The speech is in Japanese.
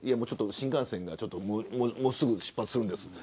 新幹線がもうすぐ出発するんです。